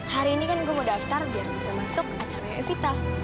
hari ini kan gue mau daftar biar bisa masuk acara evita